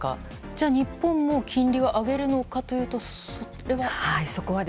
じゃあ日本も金利を上げるのかというとそれは？